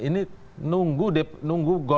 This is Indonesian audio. ini nunggu golkar